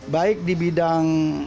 baik di bidang